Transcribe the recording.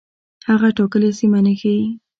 هغه ټاکلې سیمه نه ښيي.